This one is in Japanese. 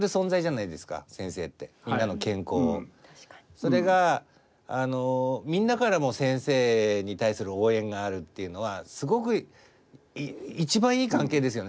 それがみんなからも先生に対する応援があるっていうのはすごく一番いい関係ですよね